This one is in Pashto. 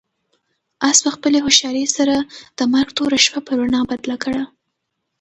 آس په خپلې هوښیارۍ سره د مرګ توره شپه په رڼا بدله کړه.